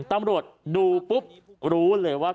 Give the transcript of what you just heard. ตำรวจดูปุ๊บรู้เลยว่า